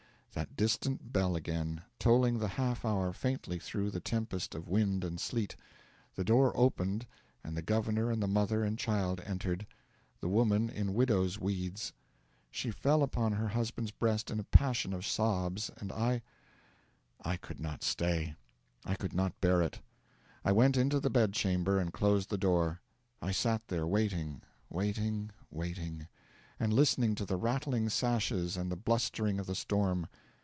That distant bell again, tolling the half hour faintly through the tempest of wind and sleet. The door opened, and the governor and the mother and child entered the woman in widow's weeds! She fell upon her husband's breast in a passion of sobs, and I I could not stay; I could not bear it. I went into the bedchamber, and closed the door. I sat there waiting waiting waiting, and listening to the rattling sashes and the blustering of the storm.